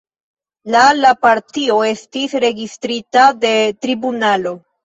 La la partio estis registrita de tribunalo.